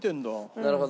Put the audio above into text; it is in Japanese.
なるほど。